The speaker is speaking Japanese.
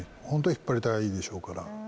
本当は引っ張りたいでしょうから。